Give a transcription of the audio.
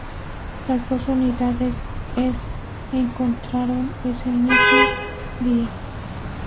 Las dos unidades es encontraron ese mismo día.